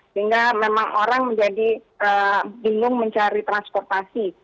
sehingga memang orang menjadi bingung mencari transportasi